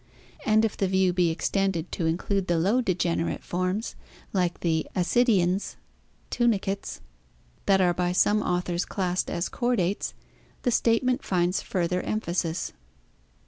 And if the view be extended to include the low degenerate forms, like the Ascidians [tunicates], that are by some authors classed as chordates, the statement finds further emphasis.